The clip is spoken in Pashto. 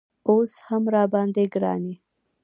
اوس هم راباندې ګران یې